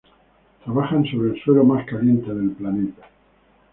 Trabajan sobre el suelo más caliente del planeta.